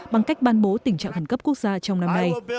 bằng cách ban bố tình trạng khẩn cấp quốc gia trong năm nay